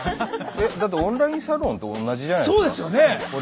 えだってオンラインサロンと同じじゃないですか。